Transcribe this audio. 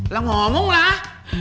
lah ngomong lah